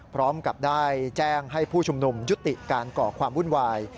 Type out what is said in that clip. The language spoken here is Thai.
พร้อมกับได้แจ้งให้ผู้ชุมนุมยุติการก่อความวุ่นวาย